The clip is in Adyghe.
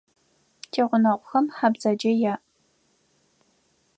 Тигъунэгъухэм хьэ бзэджэ яӏ.